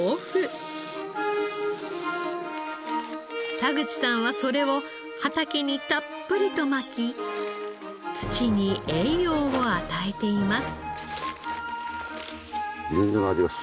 田口さんはそれを畑にたっぷりとまき土に栄養を与えています。